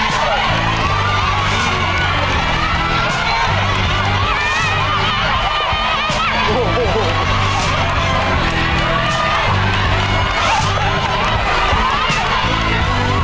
แสดงที่ติดสุด